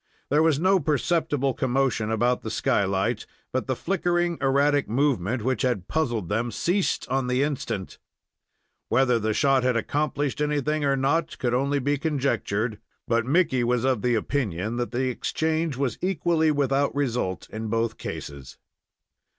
There was no perceptible commotion about the skylight, but the flickering, erratic movement which had puzzled them ceased on the instant. Whether the shot had accomplished anything or not could only be conjectured, but Mickey was of the opinion that the exchange was equally without result in both cases.